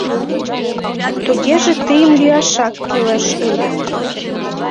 — Тугеже тыйым лӱяшак кӱлеш ыле.